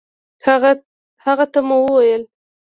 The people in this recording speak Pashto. هغه ته مو وويل